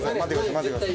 待ってください。